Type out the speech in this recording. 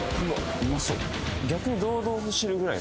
うまそう